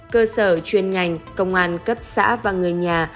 cơ sở chuyên ngành công an cấp xã và người nhà